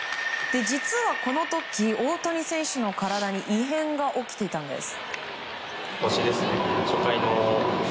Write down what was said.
実はこの時大谷選手の体に異変が起きていたんです。